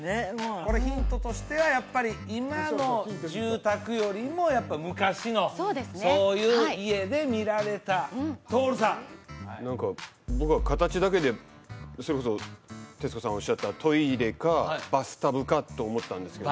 これヒントとしてはやっぱり今の住宅よりもやっぱ昔のそういう家で見られたトオルさん何か僕は形だけでそれこそ徹子さんがおっしゃったトイレかバスタブかと思ったんですけど